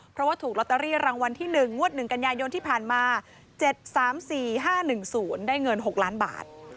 เพราะว่าถูกลอตเตอรี่รางวัลที่๑งวด๑กันยายนที่ผ่านมา๗๓๔๕๑๐ได้เงิน๖ล้านบาท